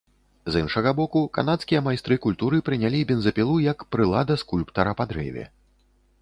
З іншага боку, канадскія майстры культуры прынялі бензапілу як прылада скульптара па дрэве.